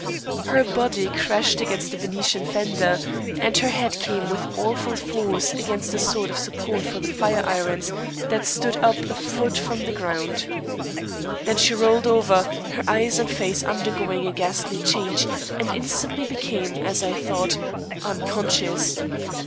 Her body crashed against a Venetian fender, and her head came with awful force against a sort of support for the fire irons that stood up a foot from the ground. Then she rolled over, her eyes and face undergoing a ghastly change, and instantly became, as I thought, unconscious.